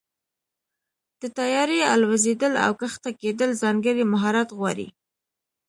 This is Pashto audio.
د طیارې الوزېدل او کښته کېدل ځانګړی مهارت غواړي.